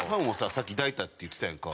さっき抱いたって言ってたやんか。